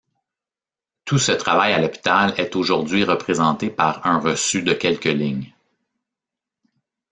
Tout ce travail à l'hôpital est aujourd'hui représenté par un reçu de quelques lignes.